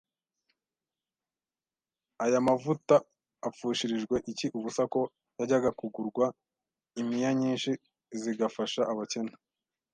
«Ayamavutaapfushirijwe iki ubusa, ko yajyaga kugurwa impiya nyinshi zigafasha abakene`?»